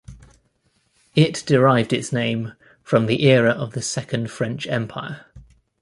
It derived its name from the era of the Second French Empire.